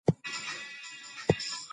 موټر ژر د دروازې مخې ته ودرېد.